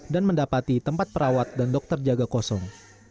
dan mendapati tempat perawat dan dokter jaga kosong